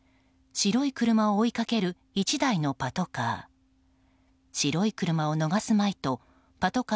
白い車を追いかける１台のパトカー。